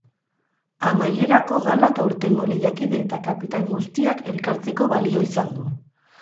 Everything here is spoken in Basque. Amaierako galak aurtengo lehiakide eta kapitain guztiak elkartzeko balio izan du.